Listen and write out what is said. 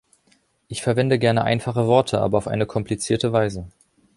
Ich verwende gerne einfache Worte, aber auf eine komplizierte Weise.